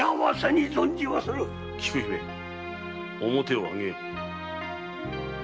菊姫面を上げい。